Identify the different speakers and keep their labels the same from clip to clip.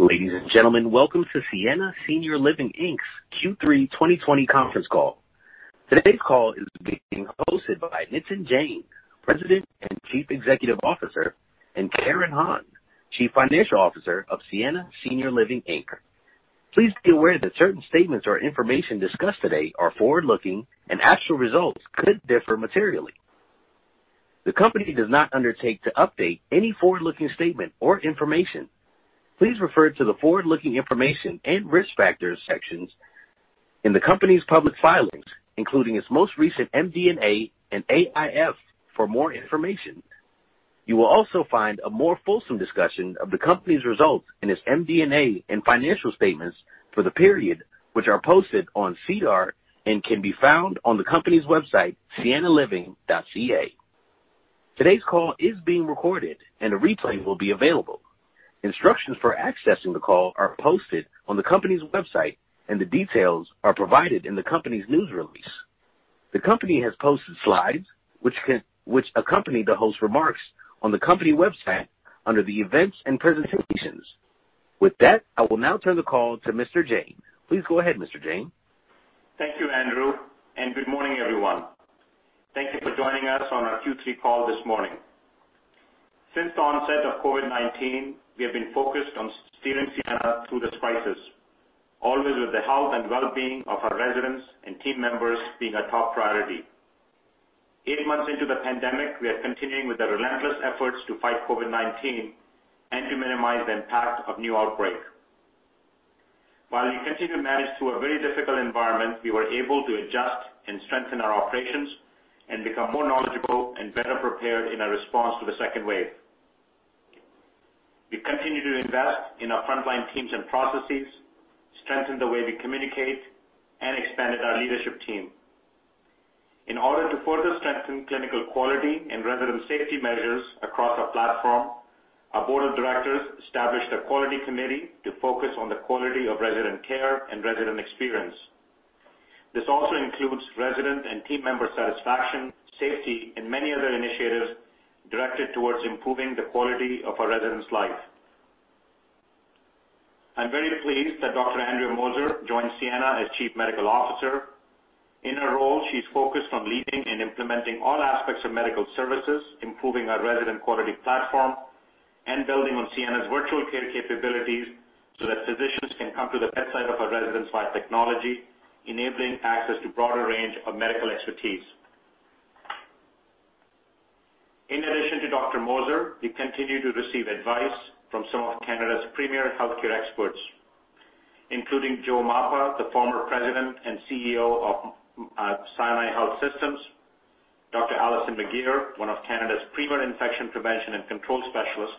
Speaker 1: Ladies and gentlemen, welcome to Sienna Senior Living Inc.'s Q3 2020 conference call. Today's call is being hosted by Nitin Jain, President and Chief Executive Officer, and Karen Hon, Chief Financial Officer of Sienna Senior Living Inc. Please be aware that certain statements or information discussed today are forward-looking and actual results could differ materially. The company does not undertake to update any forward-looking statement or information. Please refer to the forward-looking information and risk factors sections in the company's public filings, including its most recent MD&A and AIF for more information. You will also find a more fulsome discussion of the company's results in its MD&A and financial statements for the period, which are posted on SEDAR and can be found on the company's website, siennaliving.ca. Today's call is being recorded and a replay will be available. Instructions for accessing the call are posted on the company's website, and the details are provided in the company's news release. The company has posted slides which accompany the host remarks on the company website under the events and presentations. With that, I will now turn the call to Mr. Jain. Please go ahead, Mr. Jain.
Speaker 2: Thank you, Andrew. Good morning, everyone. Thank you for joining us on our Q3 call this morning. Since the onset of COVID-19, we have been focused on steering Sienna through this crisis, always with the health and well-being of our residents and team members being a top priority. Eight months into the pandemic, we are continuing with the relentless efforts to fight COVID-19 and to minimize the impact of new outbreak. While we continue to manage through a very difficult environment, we were able to adjust and strengthen our operations and become more knowledgeable and better prepared in our response to the second wave. We've continued to invest in our frontline teams and processes, strengthened the way we communicate, and expanded our leadership team. In order to further strengthen clinical quality and resident safety measures across our platform, our Board of Directors established a Quality Committee to focus on the quality of resident care and resident experience. This also includes resident and team member satisfaction, safety, and many other initiatives directed towards improving the quality of our residents' life. I'm very pleased that Dr. Andrea Moser joined Sienna as Chief Medical Officer. In her role, she's focused on leading and implementing all aspects of medical services, improving our resident quality platform, and building on Sienna's virtual care capabilities so that physicians can come to the bedside of our residents via technology, enabling access to broader range of medical expertise. In addition to Dr. Moser, we continue to receive advice from some of Canada's premier healthcare experts, including Joe Mapa, the former President and CEO of Sinai Health System, Dr. Allison McGeer, one of Canada's premier infection prevention and control specialists,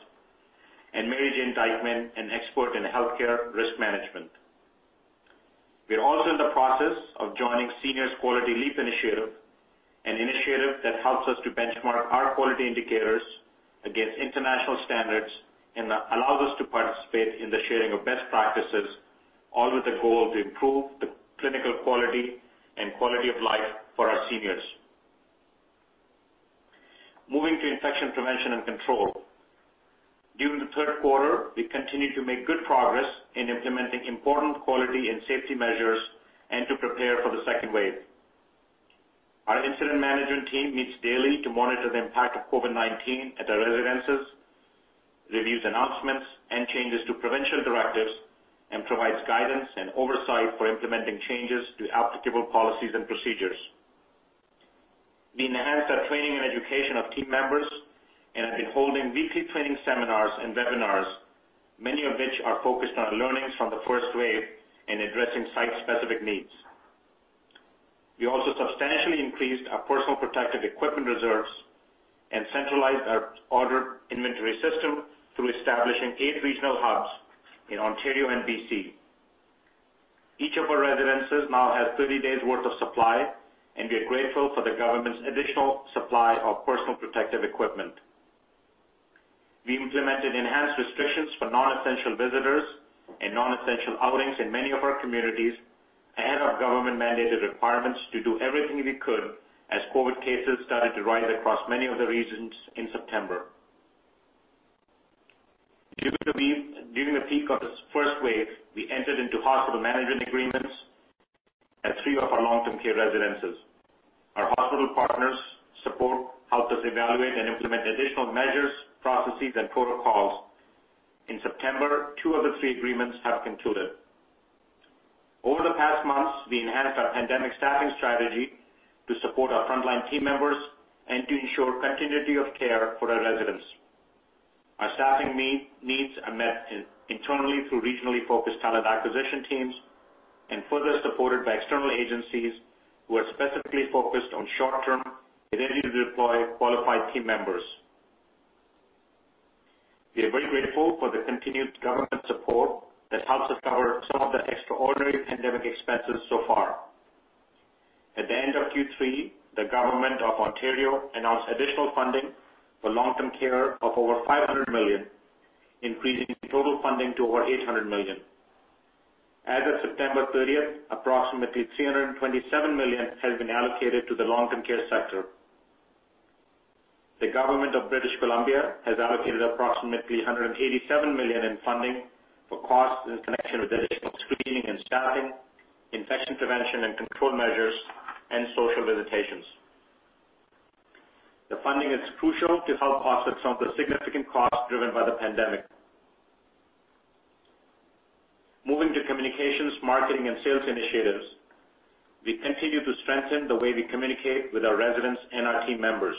Speaker 2: and Mary Jane Dykeman, an expert in healthcare risk management. We are also in the process of joining Seniors Quality Leap Initiative, an initiative that helps us to benchmark our quality indicators against international standards and allows us to participate in the sharing of best practices, all with the goal to improve the clinical quality and quality of life for our seniors. Moving to infection prevention and control. During the third quarter, we continued to make good progress in implementing important quality and safety measures and to prepare for the second wave. Our incident management team meets daily to monitor the impact of COVID-19 at our residences, reviews announcements and changes to provincial directives, and provides guidance and oversight for implementing changes to applicable policies and procedures. We enhanced our training and education of team members and have been holding weekly training seminars and webinars, many of which are focused on learnings from the first wave and addressing site-specific needs. We also substantially increased our Personal Protective Equipment reserves and centralized our order inventory system through establishing eight regional hubs in Ontario and BC Each of our residences now has 30 days worth of supply, and we are grateful for the government's additional supply of personal protective equipment. We implemented enhanced restrictions for non-essential visitors and non-essential outings in many of our communities ahead of government-mandated requirements to do everything we could as COVID cases started to rise across many of the regions in September. During the peak of the first wave, we entered into hospital management agreements at three of our long-term care residences. Our hospital partners' support helped us evaluate and implement additional measures, processes, and protocols. In September, two of the three agreements have concluded. Over the past months, we enhanced our pandemic staffing strategy to support our frontline team members and to ensure continuity of care for our residents. Our staffing needs are met internally through regionally focused talent acquisition teams and further supported by external agencies who are specifically focused on short-term, ready-to-deploy qualified team members. We are very grateful for the continued government support that helps us cover some of the extraordinary pandemic expenses so far. At the end of Q3, the government of Ontario announced additional funding for long-term care of over 500 million, increasing total funding to over 800 million. As of September 30th, approximately 327 million has been allocated to the long-term care sector. The government of British Columbia has allocated approximately 187 million in funding for costs in connection with additional screening and staffing, infection prevention and control measures, and social visitations. The funding is crucial to help offset some of the significant costs driven by the pandemic. Moving to communications, marketing, and sales initiatives. We continue to strengthen the way we communicate with our residents and our team members.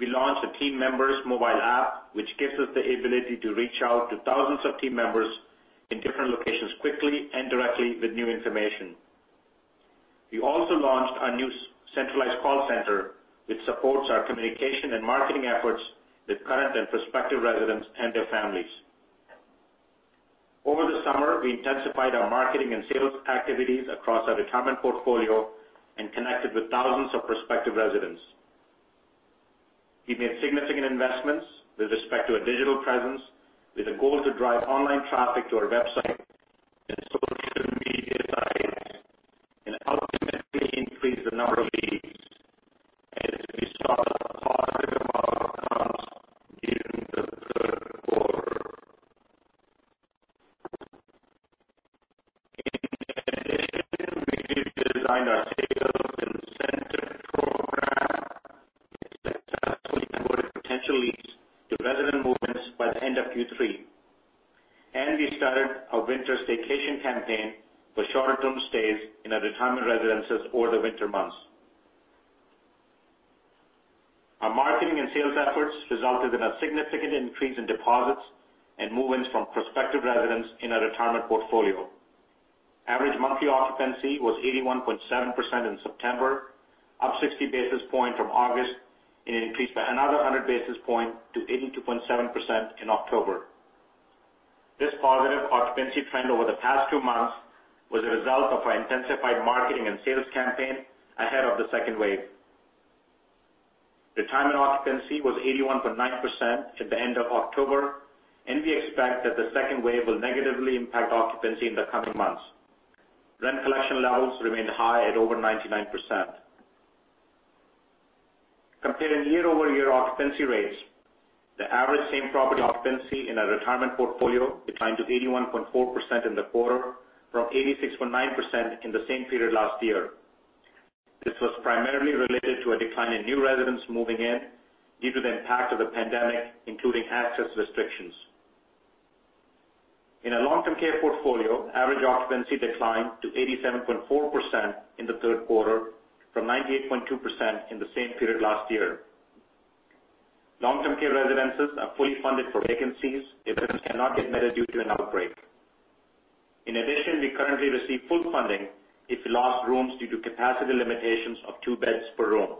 Speaker 2: We launched a team members mobile app, which gives us the ability to reach out to thousands of team members in different locations quickly and directly with new information. We also launched our new centralized call center, which supports our communication and marketing efforts with current and prospective residents and their families. Over the summer, we intensified our marketing and sales activities across our retirement portfolio and connected with thousands of prospective residents. We made significant investments with respect to a digital presence with a goal to drive online traffic to our website potential leads to resident move-ins by the end of Q3. We started our winter staycation campaign for shorter-term stays in our retirement residences over the winter months. Our marketing and sales efforts resulted in a significant increase in deposits and move-ins from prospective residents in our retirement portfolio. Average monthly occupancy was 81.7% in September, up 60 basis points from August, and it increased by another 100 basis points to 82.7% in October. This positive occupancy trend over the past two months was a result of our intensified marketing and sales campaign ahead of the second wave. Retirement occupancy was 81.9% at the end of October, and we expect that the second wave will negatively impact occupancy in the coming months. Rent collection levels remained high at over 99%. Comparing year-over-year occupancy rates, the average same property occupancy in our retirement portfolio declined to 81.4% in the quarter from 86.9% in the same period last year. This was primarily related to a decline in new residents moving in due to the impact of the pandemic, including access restrictions. In our long-term care portfolio, average occupancy declined to 87.4% in the third quarter from 98.2% in the same period last year. Long-term care residences are fully funded for vacancies if it cannot get better due to an outbreak. In addition, we currently receive full funding if we lost rooms due to capacity limitations of two beds per room.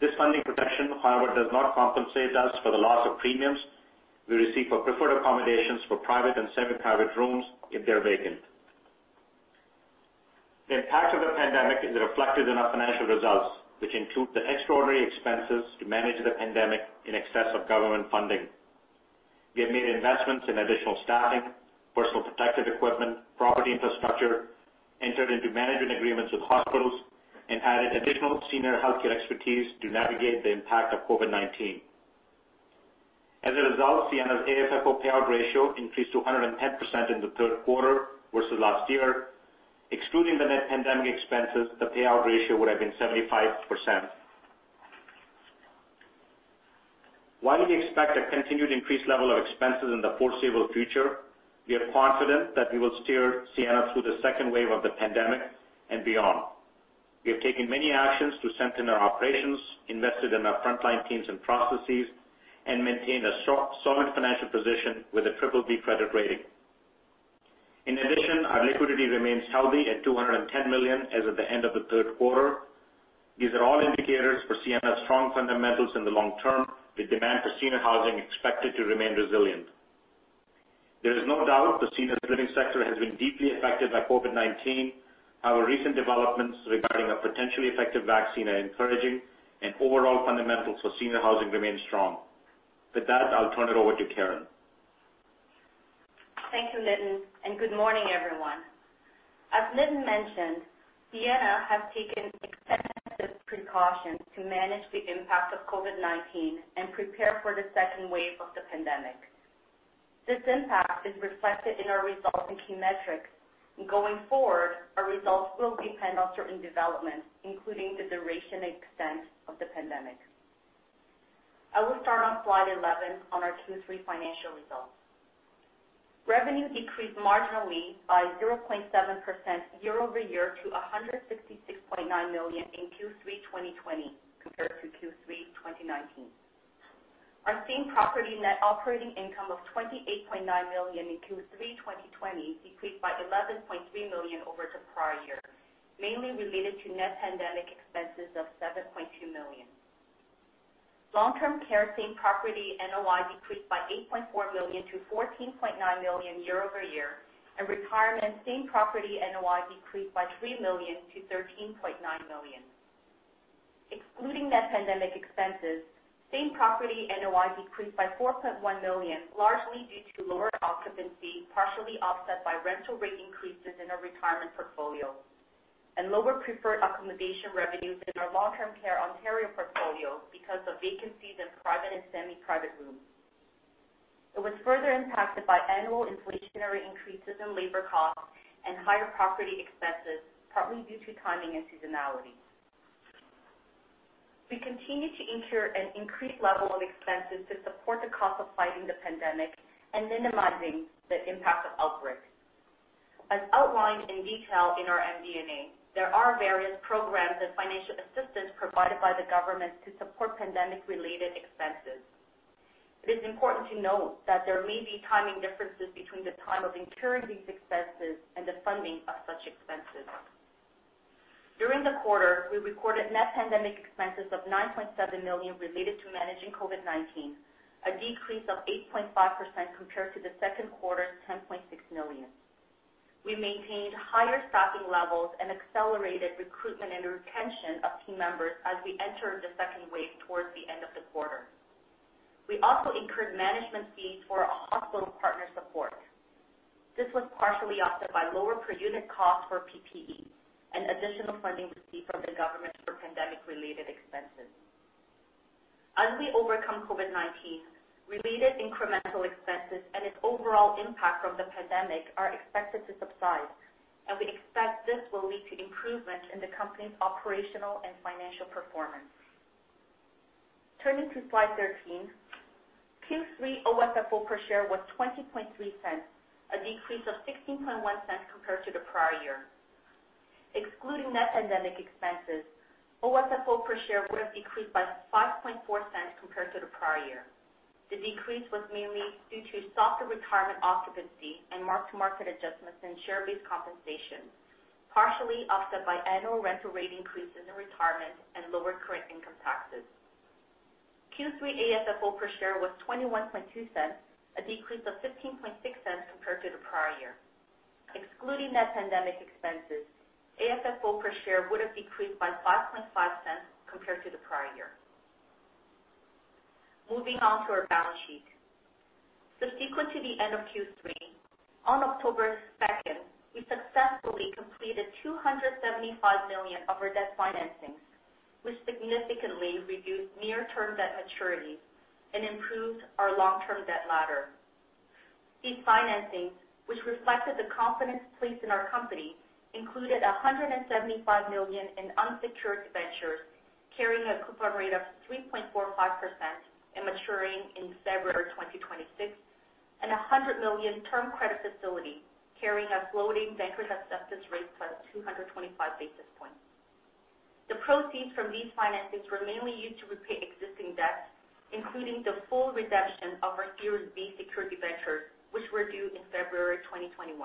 Speaker 2: This funding protection, however, does not compensate us for the loss of premiums we receive for preferred accommodations for private and semi-private rooms if they're vacant. The impact of the pandemic is reflected in our financial results, which include the extraordinary expenses to manage the pandemic in excess of government funding. We have made investments in additional staffing, personal protective equipment, property infrastructure, entered into management agreements with hospitals, and added additional senior healthcare expertise to navigate the impact of COVID-19. As a result, Sienna's AFFO payout ratio increased to 110% in the third quarter versus last year. Excluding the net pandemic expenses, the payout ratio would have been 75%. While we expect a continued increased level of expenses in the foreseeable future, we are confident that we will steer Sienna through the second wave of the pandemic and beyond. We have taken many actions to strengthen our operations, invested in our frontline teams and processes, and maintained a solid financial position with a BBB credit rating. In addition, our liquidity remains healthy at 210 million as of the end of the third quarter. These are all indicators for Sienna's strong fundamentals in the long term, with demand for senior housing expected to remain resilient. There is no doubt the senior living sector has been deeply affected by COVID-19. However, recent developments regarding a potentially effective vaccine are encouraging, and overall fundamentals for senior housing remain strong. With that, I'll turn it over to Karen.
Speaker 3: Thank you, Nitin. Good morning, everyone. As Nitin mentioned, Sienna has taken extensive precautions to manage the impact of COVID-19 and prepare for the second wave of the pandemic. This impact is reflected in our results and key metrics. Going forward, our results will depend on certain developments, including the duration and extent of the pandemic. I will start on slide 11 on our Q3 financial results. Revenue decreased marginally by 0.7% year-over-year to 166.9 million in Q3 2020 compared to Q3 2019. Our same property net operating income of 28.9 million in Q3 2020 decreased by 11.3 million over the prior year, mainly related to net pandemic expenses of 7.2 million. Long-term care same-property NOI decreased by 8.4 million to 14.9 million year-over-year. Retirement same-property NOI decreased by 3 million to 13.9 million. Excluding net pandemic expenses, same-property NOI decreased by 4.1 million, largely due to lower occupancy, partially offset by rental rate increases in our retirement portfolio and lower preferred accommodation revenues in our long-term care Ontario portfolio because of vacancies in private and semi-private rooms. It was further impacted by annual inflationary increases in labor costs and higher property expenses, partly due to timing and seasonality. We continue to incur an increased level of expenses to support the cost of fighting the pandemic and minimizing the impact of outbreaks. As outlined in detail in our MD&A, there are various programs and financial assistance provided by the government to support pandemic-related expenses. It is important to note that there may be timing differences between the time of incurring these expenses and the funding of such expenses. During the quarter, we recorded net pandemic expenses of 9.7 million related to managing COVID-19, a decrease of 8.5% compared to the second quarter's 10.6 million. We maintained higher staffing levels and accelerated recruitment and retention of team members as we entered the second wave towards the end of the quarter. We also incurred management fees for hospital partner support. This was partially offset by lower per-unit costs for PPE and additional funding received from the government for pandemic-related expenses. As we overcome COVID-19, related incremental expenses and its overall impact from the pandemic are expected to subside, and we expect this will lead to improvements in the company's operational and financial performance. Turning to slide 13. Q3 OFFO per share was 0.203, a decrease of 0.161 compared to the prior year. Excluding net pandemic expenses, OFFO per share would have decreased by 0.054 compared to the prior year. The decrease was mainly due to softer retirement occupancy and mark-to-market adjustments in share-based compensation, partially offset by annual rental rate increases in retirement and lower current income taxes. Q3 ASFO per share was 0.212, a decrease of 0.156 compared to the prior year. Excluding net pandemic expenses, ASFO per share would have decreased by 0.055 compared to the prior year. Moving on to our balance sheet. Subsequent to the end of Q3, on October 2nd, we successfully completed 275 million of our debt financings, which significantly reduced near-term debt maturity and improved our long-term debt ladder. These financings, which reflected the confidence placed in our company, included 175 million in unsecured debentures carrying a coupon rate of 3.45% and maturing in February 2026, and a 100 million term credit facility carrying a floating Bankers' Acceptance rate +225 basis points. The proceeds from these financings were mainly used to repay existing debts, including the full redemption of our Series B secured debentures, which were due in February 2021.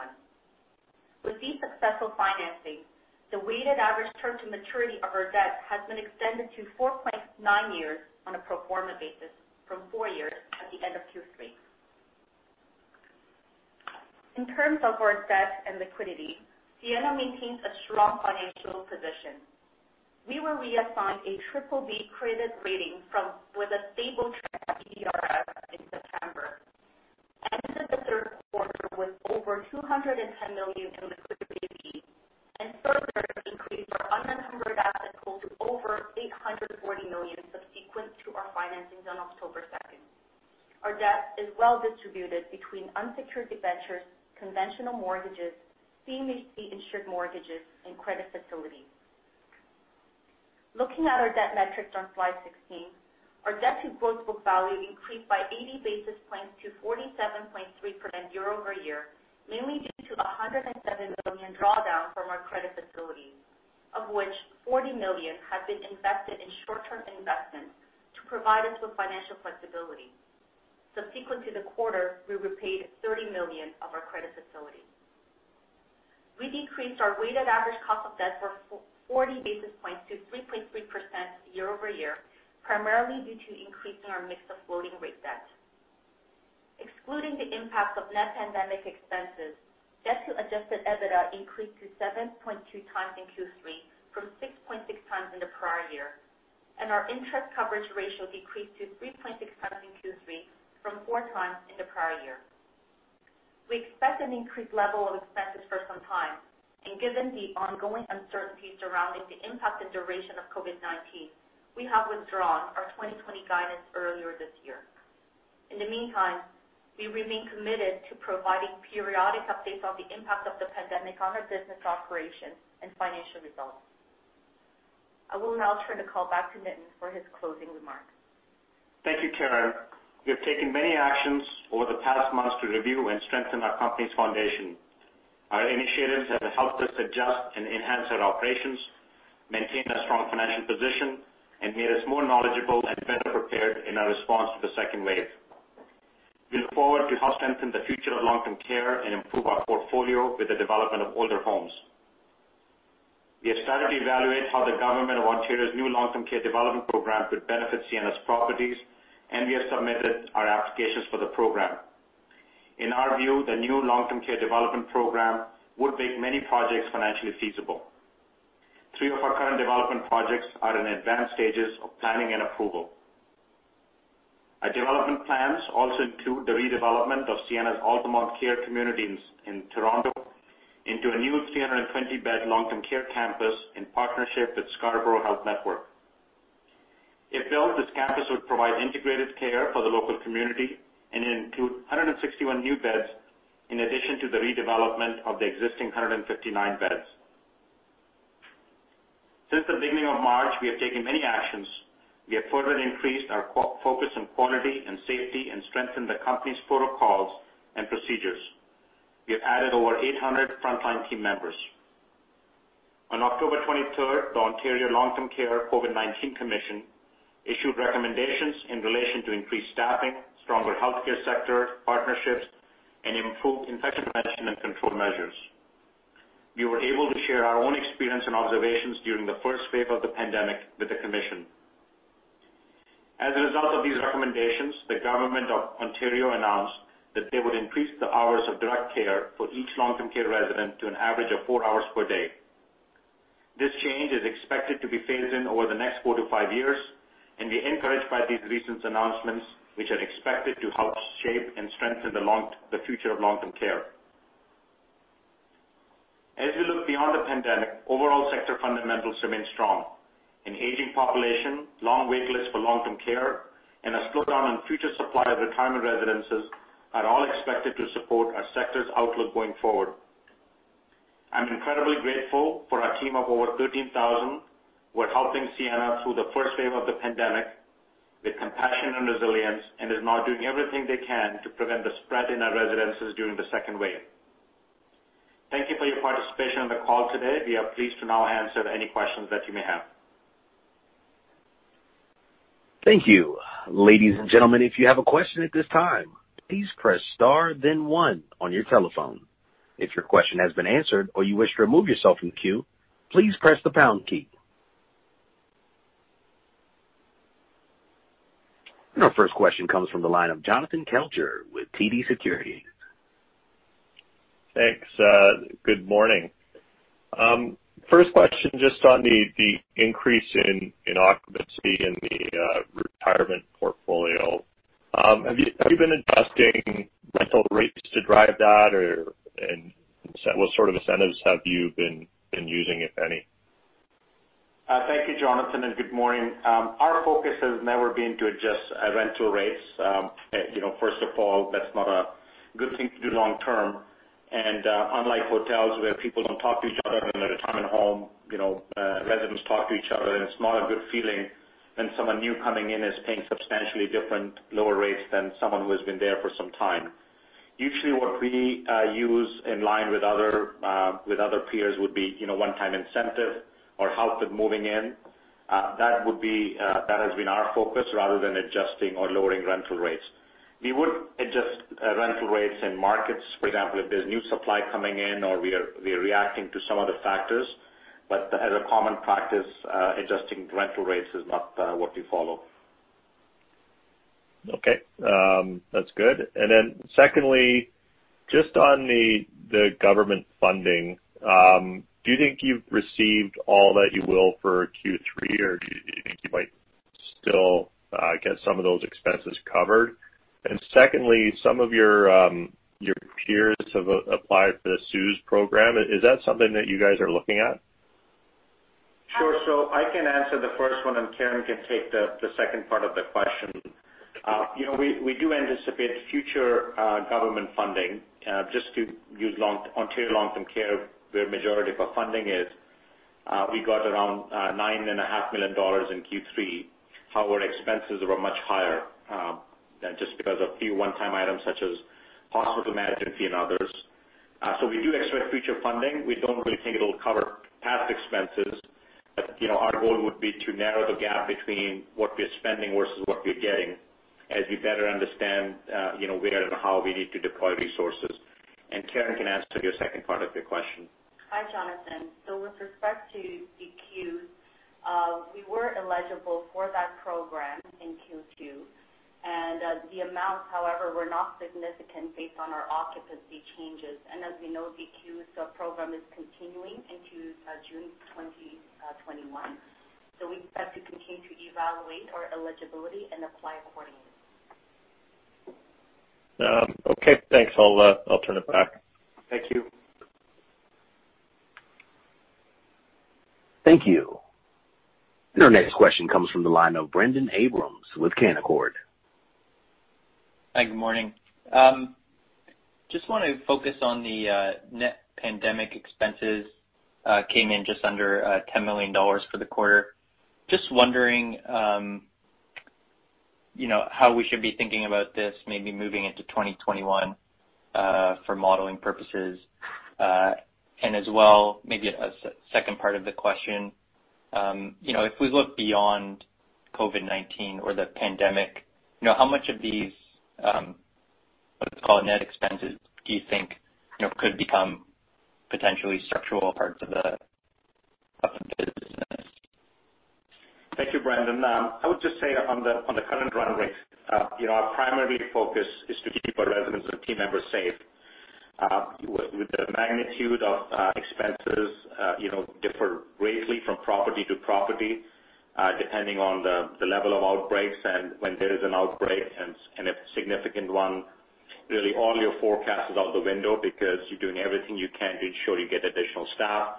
Speaker 3: With these successful financings, the weighted average term to maturity of our debt has been extended to 4.9 years on a pro forma basis from four years at the end of Q3. In terms of our debt and liquidity, Sienna maintains a strong financial position. We were reassigned a BBB credit rating with a stable trend by DBRS in September, ended the third quarter with over 210 million in liquidity, and further increased our unencumbered assets pool to over CAD 840 million subsequent to our financings on October 2nd. Our debt is well distributed between unsecured debentures, conventional mortgages, CMHC-insured mortgages, and credit facilities. Looking at our debt metrics on Slide 16, our debt to book value increased by 80 basis points to 47.3% year-over-year, mainly due to 107 million drawdown from our credit facility, of which 40 million has been invested in short-term investments to provide us with financial flexibility. Subsequent to the quarter, we repaid 30 million of our credit facility. We decreased our weighted average cost of debt by 40 basis points to 3.3% year-over-year, primarily due to increasing our mix of floating-rate debt. Excluding the impact of net pandemic expenses, debt to adjusted EBITDA increased to 7.2x in Q3 from 6.6x in the prior year, and our interest coverage ratio decreased to 3.6x in Q3 from 4x in the prior year. Given the ongoing uncertainty surrounding the impact and duration of COVID-19, we have withdrawn our 2020 guidance earlier this year. In the meantime, we remain committed to providing periodic updates on the impact of the pandemic on our business operations and financial results. I will now turn the call back to Nitin for his closing remarks.
Speaker 2: Thank you, Karen. We have taken many actions over the past months to review and strengthen our company's foundation. Our initiatives have helped us adjust and enhance our operations, maintain a strong financial position, and made us more knowledgeable and better prepared in our response to the second wave. We look forward to help strengthen the future of long-term care and improve our portfolio with the development of older homes. We have started to evaluate how the Government of Ontario's new Long-Term Care Development Program could benefit Sienna's properties, and we have submitted our applications for the program. In our view, the new Long-Term Care Development Program would make many projects financially feasible. Three of our current development projects are in advanced stages of planning and approval. Our development plans also include the redevelopment of Sienna's Altamont Care Community in Toronto into a new 320-bed long-term care campus in partnership with Scarborough Health Network. If built, this campus would provide integrated care for the local community and include 161 new beds in addition to the redevelopment of the existing 159 beds. Since the beginning of March, we have taken many actions. We have further increased our focus on quality and safety and strengthened the company's protocols and procedures. We have added over 800 frontline team members. On October 23rd, the Ontario's Long-Term Care COVID-19 Commission issued recommendations in relation to increased staffing, stronger healthcare sector partnerships, and improved infection prevention and control measures. We were able to share our own experience and observations during the first wave of the pandemic with the commission. As a result of these recommendations, the Government of Ontario announced that they would increase the hours of direct care for each long-term care resident to an average of four hours per day. This change is expected to be phased in over the next four to five years. We are encouraged by these recent announcements, which are expected to help shape and strengthen the future of long-term care. As we look beyond the pandemic, overall sector fundamentals remain strong. An aging population, long wait lists for long-term care, and a slowdown in future supply of retirement residences are all expected to support our sector's outlook going forward. I'm incredibly grateful for our team of over 13,000 who are helping Sienna through the first wave of the pandemic with compassion and resilience and is now doing everything they can to prevent the spread in our residences during the second wave. Thank you for your participation on the call today. We are pleased to now answer any questions that you may have.
Speaker 1: Thank you, ladies and gentlemen, if you have question this time please press star then one on your telephone if your question have been answered and you want to remove yourself from queue please press pound queue. Our first question comes from the line of Jonathan Kelcher with TD Securities.
Speaker 4: Thanks. Good morning. First question, just on the increase in occupancy in the retirement portfolio. Have you been adjusting rental rates to drive that, and what sort of incentives have you been using, if any?
Speaker 2: Thank you, Jonathan, and good morning. Our focus has never been to adjust rental rates. First of all, that's not a good thing to do long term, and unlike hotels where people don't talk to each other, in a retirement home, residents talk to each other, and it's not a good feeling when someone new coming in is paying substantially different lower rates than someone who has been there for some time. Usually, what we use in line with other peers would be one-time incentive or help with moving in. That has been our focus rather than adjusting or lowering rental rates. We would adjust rental rates in markets, for example, if there's new supply coming in or we're reacting to some other factors. As a common practice, adjusting rental rates is not what we follow.
Speaker 4: Okay. That's good. Secondly, just on the government funding, do you think you've received all that you will for Q3, or do you think you might still get some of those expenses covered? Secondly, some of your peers have applied for the CEWS program. Is that something that you guys are looking at?
Speaker 2: Sure. I can answer the first one, and Karen can take the second part of the question. We do anticipate future government funding. Just to use Ontario Long-Term Care, where majority of our funding is, we got around nine and a half million dollars in Q3. However, expenses were much higher just because of few one-time items such as hospital management fee and others. We do expect future funding. We don't really think it'll cover past expenses, but our goal would be to narrow the gap between what we are spending versus what we're getting, as we better understand where and how we need to deploy resources. Karen can answer your second part of your question.
Speaker 3: Hi, Jonathan. With respect to the CEWS, we were eligible for that program in Q2, and the amounts, however, were not significant based on our occupancy changes. As we know, the CEWS program is continuing into June 2021. We expect to continue to evaluate our eligibility and apply accordingly.
Speaker 4: Okay, thanks. I'll turn it back.
Speaker 2: Thank you.
Speaker 1: Thank you. Our next question comes from the line of Brendon Abrams with Canaccord.
Speaker 5: Hi, good morning. Just want to focus on the net pandemic expenses, came in just under CAD 10 million for the quarter. Just wondering, how we should be thinking about this maybe moving into 2021 for modeling purposes. As well, maybe a second part of the question, if we look beyond COVID-19 or the pandemic, how much of these, let's call it net expenses, do you think could become potentially structural parts of the business?
Speaker 2: Thank you, Brendon. I would just say on the current run rate, our primary focus is to keep our residents and team members safe. With the magnitude of expenses differ greatly from property to property, depending on the level of outbreaks. When there is an outbreak, and a significant one, really all your forecast is out the window because you're doing everything you can to ensure you get additional staff.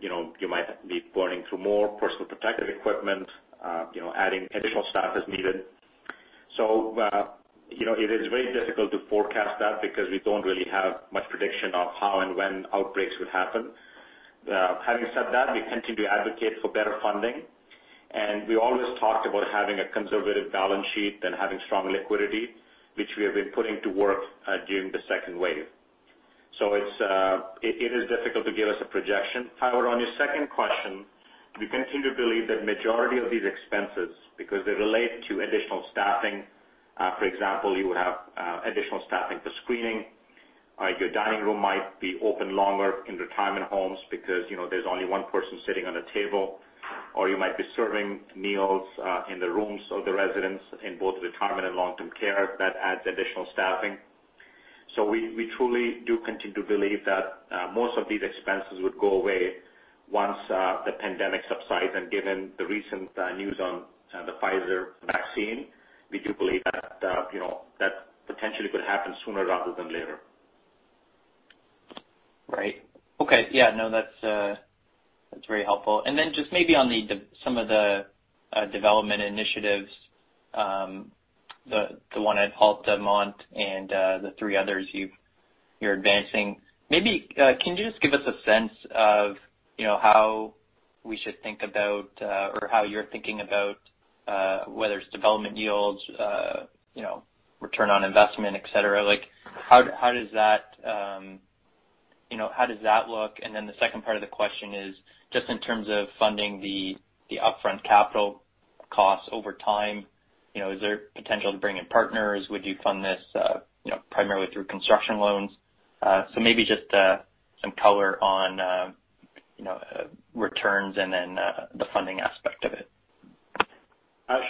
Speaker 2: You might be burning through more personal protective equipment, adding additional staff as needed. It is very difficult to forecast that because we don't really have much prediction of how and when outbreaks would happen. Having said that, we continue to advocate for better funding, and we always talked about having a conservative balance sheet and having strong liquidity, which we have been putting to work during the second wave. It is difficult to give us a projection. However, on your second question, we continue to believe that majority of these expenses, because they relate to additional staffing. For example, you would have additional staffing for screening. Your dining room might be open longer in retirement homes because there's only one person sitting on a table, or you might be serving meals in the rooms of the residents in both retirement and long-term care. That adds additional staffing. We truly do continue to believe that most of these expenses would go away once the pandemic subsides, and given the recent news on the Pfizer vaccine, we do believe that potentially could happen sooner rather than later.
Speaker 5: Right. Okay. Yeah, no, that's very helpful. Just maybe on some of the development initiatives, the one at Altamont and the three others you're advancing. Maybe can you just give us a sense of how we should think about, or how you're thinking about, whether it's development yields, return on investment, et cetera. How does that look? The second part of the question is just in terms of funding the upfront capital costs over time, is there potential to bring in partners? Would you fund this primarily through construction loans? Maybe just some color on returns and then the funding aspect of it.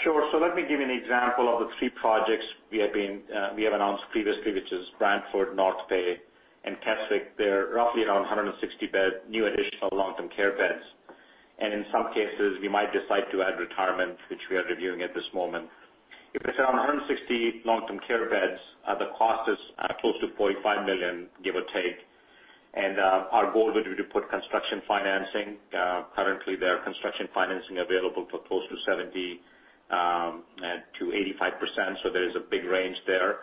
Speaker 2: Sure. Let me give you an example of the three projects we have announced previously, which is Brantford, North Bay, and Keswick. They're roughly around 160 new additional long-term care beds. In some cases, we might decide to add retirement, which we are reviewing at this moment. If it's around 160 long-term care beds, the cost is close to 45 million, give or take. Our goal would be to put construction financing. Currently, there are construction financing available for close to 70%-85%, so there is a big range there.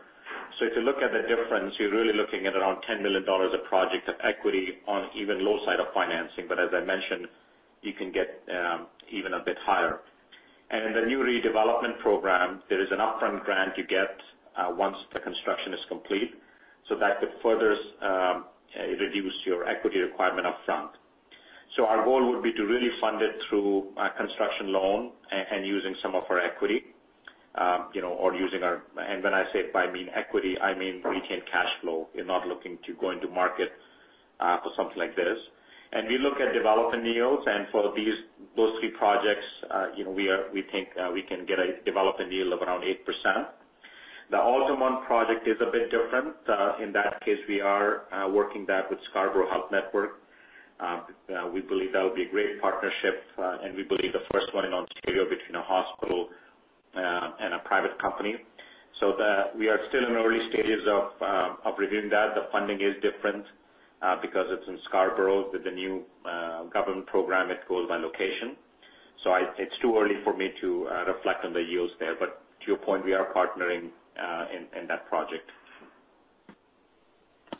Speaker 2: If you look at the difference, you're really looking at around 10 million dollars a project of equity on even low side of financing. As I mentioned, you can get even a bit higher. In the new redevelopment program, there is an upfront grant you get once the construction is complete. That could further reduce your equity requirement upfront. Our goal would be to really fund it through a construction loan and using some of our equity, or using our equity. And when I say equity, I mean retained cash flow. We're not looking to go into market for something like this. We look at development yields, and for those three projects, we think we can get a development yield of around 8%. The Altamont project is a bit different. In that case, we are working that with Scarborough Health Network. We believe that will be a great partnership, and we believe the first one in Ontario between a hospital and a private company. We are still in early stages of reviewing that. The funding is different because it's in Scarborough with the new government program, it goes by location. It's too early for me to reflect on the yields there. To your point, we are partnering in that project.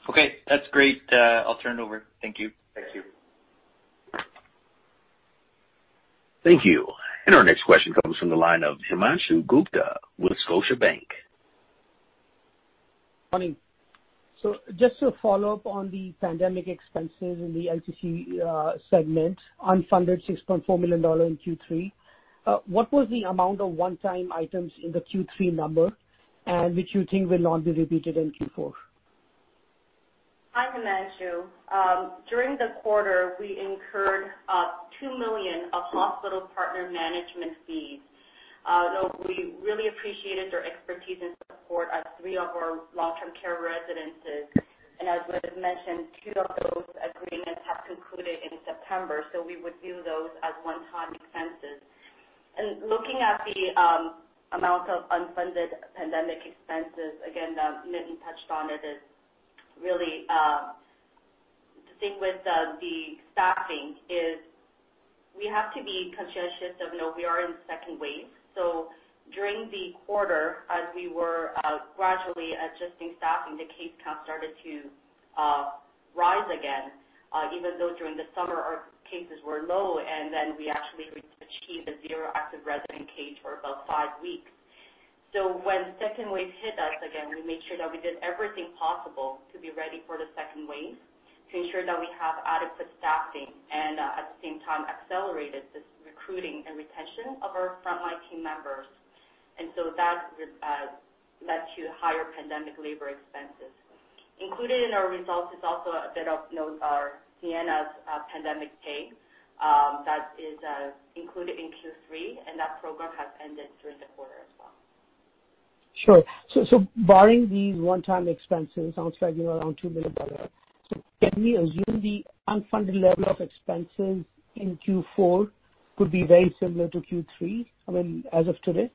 Speaker 5: Okay. That's great. I'll turn it over. Thank you.
Speaker 2: Thank you.
Speaker 1: Thank you. Our next question comes from the line of Himanshu Gupta with Scotiabank.
Speaker 6: Morning. Just to follow up on the pandemic expenses in the LTC segment, unfunded 6.4 million dollar in Q3. What was the amount of one-time items in the Q3 number, and which you think will not be repeated in Q4?
Speaker 3: Hi, Himanshu. During the quarter, we incurred 2 million of hospital partner management fees. Though we really appreciated their expertise and support at three of our long-term care residences. As Nitin mentioned, two of those agreements have concluded in September, so we would view those as one-time expenses. Looking at the amount of unfunded pandemic expenses, again, Nitin touched on it, is really, the thing with the staffing is we have to be conscientious of, we are in second wave. During the quarter, as we were gradually adjusting staffing, the case count started to rise again. Even though during the summer our cases were low, and then we actually achieved a zero active resident case for about five weeks. When second wave hit us again, we made sure that we did everything possible to be ready for the second wave, to ensure that we have adequate staffing, and at the same time accelerated the recruiting and retention of our frontline team members. That led to higher pandemic labor expenses. Included in our results is also Sienna's Pandemic Pay that is included in Q3, and that program has ended during the quarter as well.
Speaker 6: Sure. Barring these one-time expenses, sounds like around 2 million dollars. Can we assume the unfunded level of expenses in Q4 could be very similar to Q3, as of today?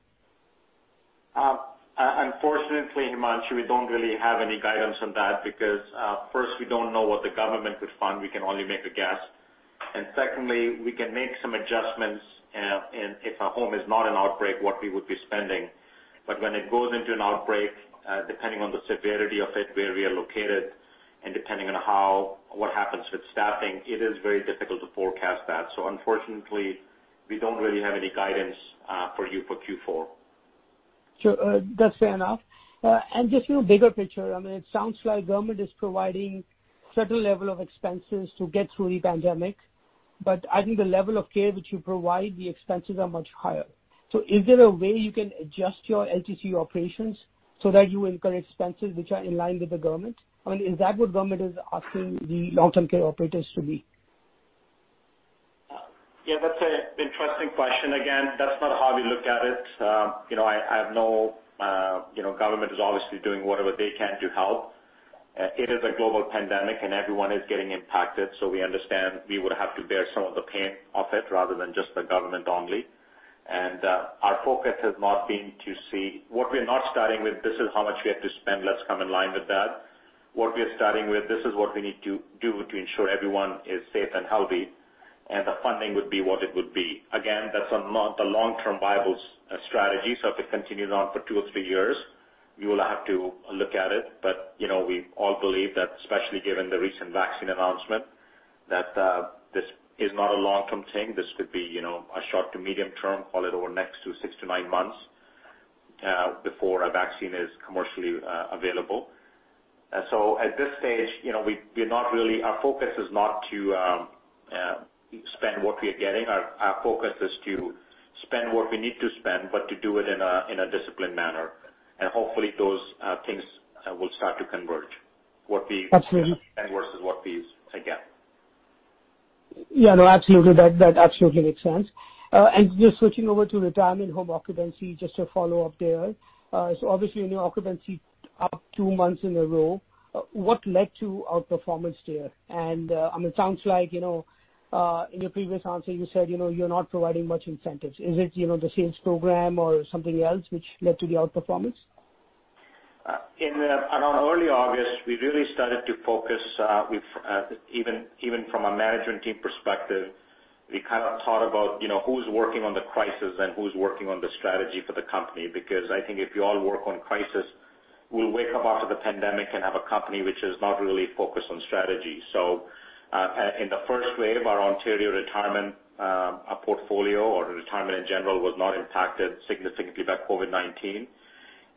Speaker 2: Unfortunately, Himanshu, we don't really have any guidance on that because, first, we don't know what the government would fund. We can only make a guess. Secondly, we can make some adjustments if a home is not in outbreak, what we would be spending. When it goes into an outbreak, depending on the severity of it, where we are located, and depending on what happens with staffing, it is very difficult to forecast that. Unfortunately, we don't really have any guidance for you for Q4.
Speaker 6: Sure. That's fair enough. Just bigger picture, it sounds like government is providing certain level of expenses to get through the pandemic, but I think the level of care which you provide, the expenses are much higher. Is there a way you can adjust your LTC operations so that you incur expenses which are in line with the government? Is that what government is asking the long-term care operators to be?
Speaker 2: Yeah, that's an interesting question. Again, that's not how we look at it. Government is obviously doing whatever they can to help. It is a global pandemic and everyone is getting impacted, so we understand we would have to bear some of the pain of it rather than just the government only. Our focus has not been to see what we are not starting with, "This is how much we have to spend, let's come in line with that." What we are starting with, "This is what we need to do to ensure everyone is safe and healthy," and the funding would be what it would be. If it continues on for two or three years, we will have to look at it. We all believe that, especially given the recent vaccine announcement, that this is not a long-term thing. This could be a short to medium term, call it over next to six to nine months, before a vaccine is commercially available. At this stage, our focus is not to spend what we are getting. Our focus is to spend what we need to spend, but to do it in a disciplined manner.
Speaker 6: Absolutely
Speaker 2: spend versus what we get.
Speaker 6: No, absolutely. That absolutely makes sense. Just switching over to retirement home occupancy, just to follow up there. Obviously, your occupancy up two months in a row. What led to outperformance there? It sounds like, in your previous answer, you said you are not providing much incentives. Is it the sales program or something else which led to the outperformance?
Speaker 2: In around early August, we really started to focus, even from a management team perspective, we thought about who's working on the crisis and who's working on the strategy for the company. Because I think if you all work on crisis, we'll wake up after the pandemic and have a company which is not really focused on strategy. In the first wave, our Ontario retirement portfolio or retirement in general, was not impacted significantly by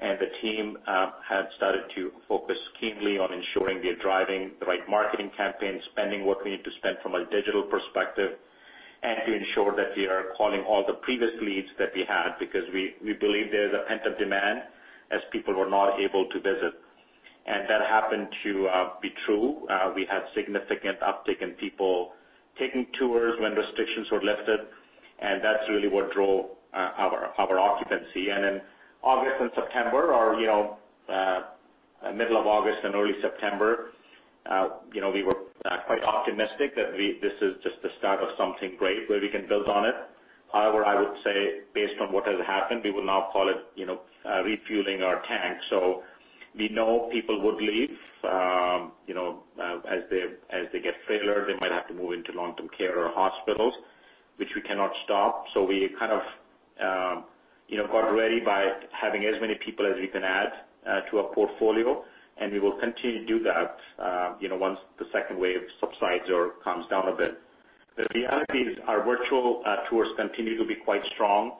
Speaker 2: COVID-19. The team had started to focus keenly on ensuring we are driving the right marketing campaign, spending what we need to spend from a digital perspective, and to ensure that we are calling all the previous leads that we had, because we believe there's a pent-up demand as people were not able to visit. That happened to be true. We had significant uptick in people taking tours when restrictions were lifted, That's really what drove our occupancy. In August and September or, middle of August and early September, we were quite optimistic that this is just the start of something great where we can build on it. However, I would say based on what has happened, we will now call it refueling our tank. We know people would leave, as they get frailer, they might have to move into long-term care or hospitals, which we cannot stop. We got ready by having as many people as we can add to our portfolio, We will continue to do that, once the second wave subsides or calms down a bit. The reality is our virtual tours continue to be quite strong.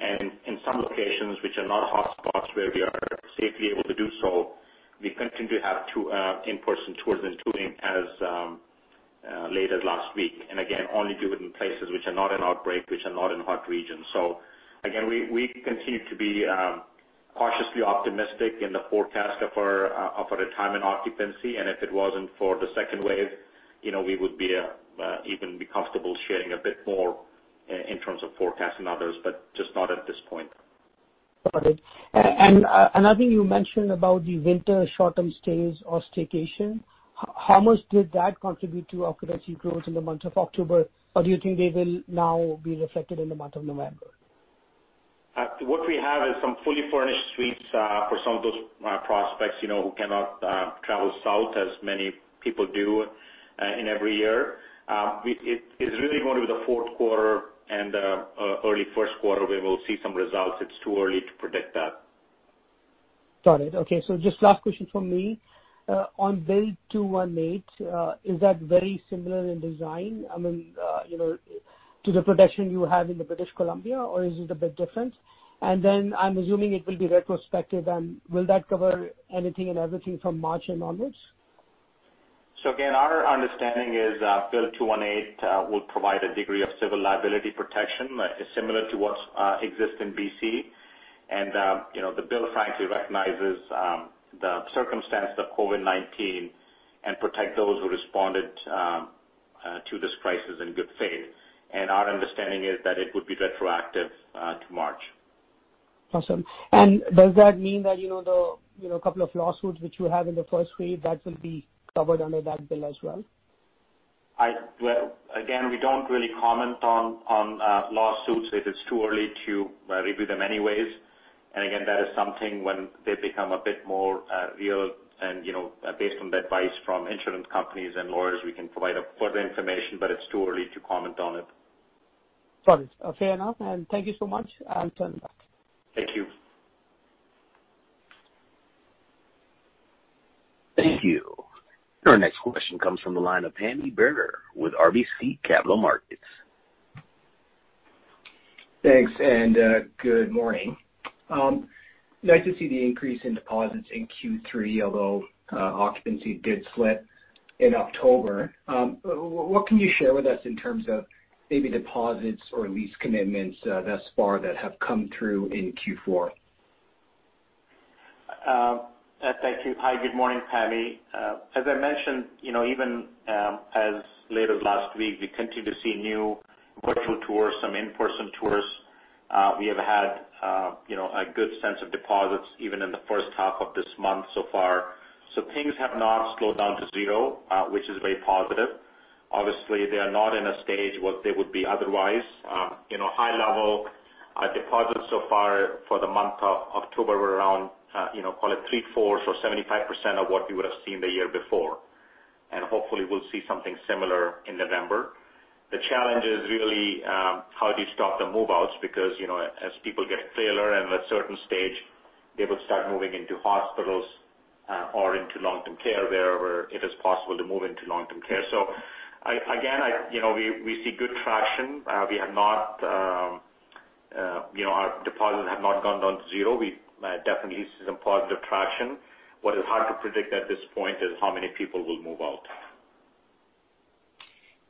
Speaker 2: In some locations which are not hotspots where we are safely able to do so, we continue to have in-person tours including as late as last week. Again, only do it in places which are not in outbreak, which are not in hot regions. Again, we continue to be cautiously optimistic in the forecast of our retirement occupancy. If it wasn't for the second wave, we would be even be comfortable sharing a bit more in terms of forecasting others, but just not at this point.
Speaker 6: Got it. I think you mentioned about the winter short-term stays or staycation. How much did that contribute to occupancy growth in the month of October? Do you think they will now be reflected in the month of November?
Speaker 2: What we have is some fully furnished suites, for some of those prospects who cannot travel south as many people do in every year. It is really going to be the fourth quarter and early first quarter we will see some results. It's too early to predict that.
Speaker 6: Got it. Okay. Just last question from me. On Bill 218, is that very similar in design to the protection you have in British Columbia or is it a bit different? I'm assuming it will be retrospective, and will that cover anything and everything from March and onwards?
Speaker 2: Again, our understanding is Bill 218 will provide a degree of civil liability protection similar to what exists in B.C. The bill frankly recognizes the circumstance of COVID-19 and protect those who responded to this crisis in good faith. Our understanding is that it would be retroactive to March.
Speaker 6: Awesome. Does that mean that the couple of lawsuits which you have in the first wave, that will be covered under that bill as well?
Speaker 2: We don't really comment on lawsuits. It is too early to review them anyways. That is something when they become a bit more real and based on the advice from insurance companies and lawyers, we can provide further information, but it's too early to comment on it.
Speaker 6: Got it. Fair enough. Thank you so much. I'll turn it back.
Speaker 2: Thank you.
Speaker 1: Thank you. Your next question comes from the line of Pammi Bir with RBC Capital Markets.
Speaker 7: Thanks, and good morning. Nice to see the increase in deposits in Q3, although occupancy did slip in October. What can you share with us in terms of maybe deposits or lease commitments thus far that have come through in Q4?
Speaker 2: Thank you. Hi, good morning, Pammi. As I mentioned, even as late as last week, we continue to see new virtual tours, some in-person tours. We have had a good sense of deposits even in the first half of this month so far. Things have not slowed down to zero, which is very positive. Obviously, they are not in a stage what they would be otherwise. High level deposits so far for the month of October were around, call it three-fourths or 75% of what we would've seen the year before. Hopefully we'll see something similar in November. The challenge is really how do you stop the move-outs, because as people get frailer and at a certain stage, they will start moving into hospitals or into long-term care, wherever it is possible to move into long-term care. Again, we see good traction. Our deposits have not gone down to zero. We definitely see some positive traction. What is hard to predict at this point is how many people will move out.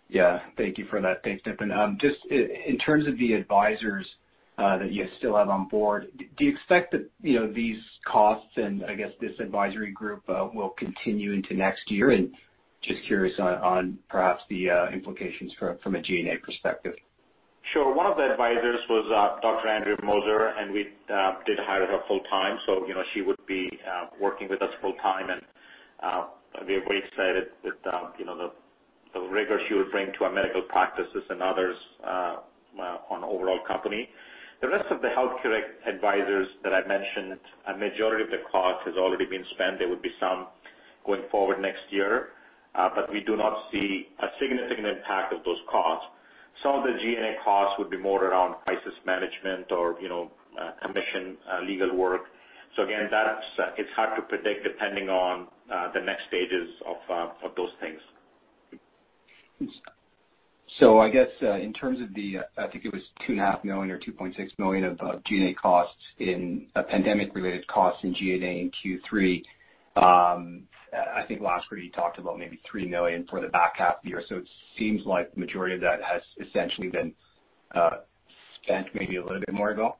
Speaker 7: Yeah. Thank you for that. Thanks, Nitin. Just in terms of the advisors that you still have on board, do you expect that these costs, and I guess this advisory group, will continue into next year? Just curious on perhaps the implications from a G&A perspective.
Speaker 2: Sure. One of the advisors was Dr. Andrea Moser, and we did hire her full-time, so she would be working with us full-time, and we are very excited with the rigor she would bring to our medical practices and others on overall company. The rest of the healthcare advisors that I mentioned, a majority of the cost has already been spent. There would be some going forward next year. We do not see a significant impact of those costs. Some of the G&A costs would be more around crisis management or commission legal work. Again, it's hard to predict depending on the next stages of those things.
Speaker 7: I guess, in terms of the, I think it was 2.5 million or 2.6 million of G&A costs in pandemic-related costs in G&A in Q3. I think last quarter you talked about maybe 3 million for the back half of the year. It seems like the majority of that has essentially been spent maybe a little bit more ago?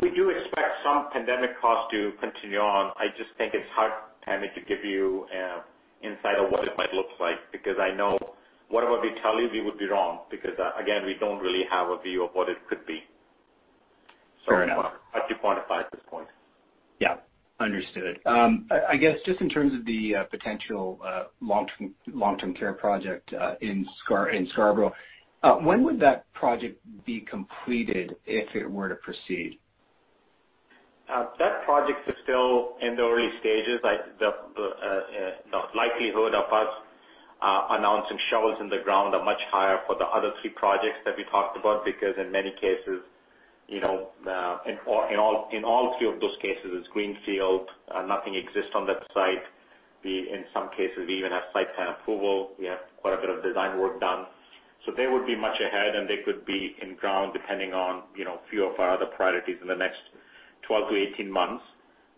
Speaker 2: We do expect some pandemic costs to continue on. I just think it's hard, Pammi, to give you insight of what it might look like, because I know whatever we tell you, we would be wrong, because again, we don't really have a view of what it could be.
Speaker 7: Fair enough.
Speaker 2: Hard to quantify at this point.
Speaker 7: Understood. I guess, just in terms of the potential long-term care project in Scarborough, when would that project be completed if it were to proceed?
Speaker 2: That project is still in the early stages. The likelihood of us announcing shovels in the ground are much higher for the other three projects that we talked about, because in many cases, in all three of those cases, it's greenfield. Nothing exists on that site. We, in some cases, even have site plan approval. We have quite a bit of design work done. They would be much ahead, and they could be in ground depending on few of our other priorities in the next 12-18 months.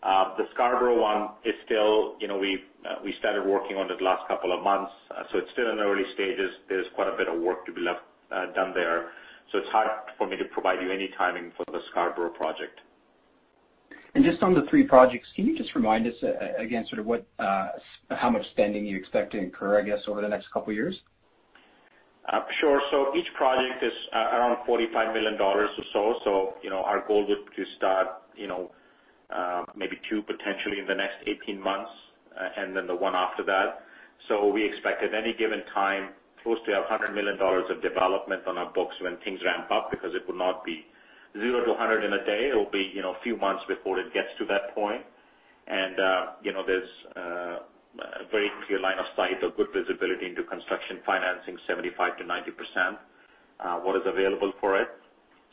Speaker 2: The Scarborough one is still. We started working on it the last couple of months. It's still in the early stages. There's quite a bit of work to be done there. It's hard for me to provide you any timing for the Scarborough project.
Speaker 7: Just on the three projects, can you just remind us again, sort of how much spending you expect to incur, I guess, over the next couple of years?
Speaker 2: Sure. Each project is around 45 million dollars or so. Our goal is to start maybe two potentially in the next 18 months, and then the one after that. We expect at any given time close to 100 million dollars of development on our books when things ramp up, because it will not be 0 to 100 in a day. It'll be a few months before it gets to that point. There's a very clear line of sight of good visibility into construction financing, 75%-90%, what is available for it.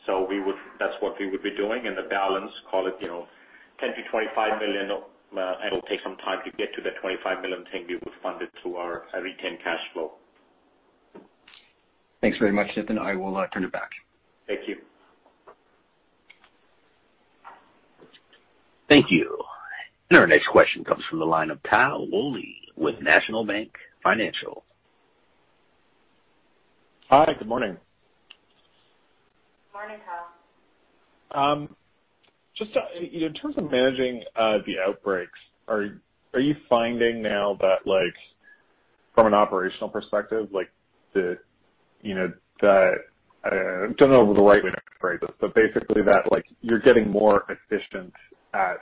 Speaker 2: That's what we would be doing, and the balance, call it, 10 million-25 million, it'll take some time to get to that 25 million, I think we would fund it through our retained cash flow.
Speaker 7: Thanks very much, Nitin. I will turn it back.
Speaker 2: Thank you.
Speaker 1: Thank you. Our next question comes from the line of Tal Woolley with National Bank Financial.
Speaker 8: Hi, good morning.
Speaker 2: Morning, Tal.
Speaker 8: In terms of managing the outbreaks, are you finding now that from an operational perspective, I don't know the right way to phrase it, but basically that you're getting more efficient at